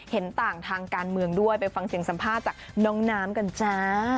เห็นต่างทางการเมืองด้วยไปฟังเสียงสัมภาษณ์จากน้องน้ำกันจ้า